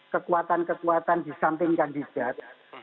kekuatan kekuatan di samping kandidat